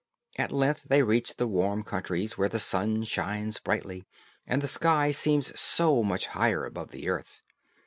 At length they reached the warm countries, where the sun shines brightly, and the sky seems so much higher above the earth.